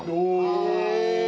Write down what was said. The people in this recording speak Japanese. へえ。